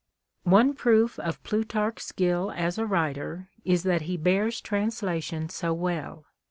One proof of Plutarch's skill as a writer is that he bears trans lation so well.